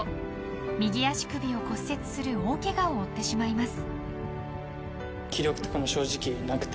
右足首を骨折する大ケガを負ってしまいます。